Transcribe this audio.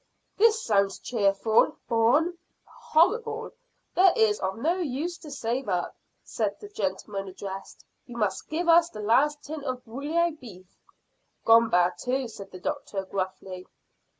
"This sounds cheerful, Bourne." "Horrible! There, it's of no use to save up," said the gentleman addressed. "You must give us the last tin of bouille beef." "Gone bad too," said the doctor gruffly.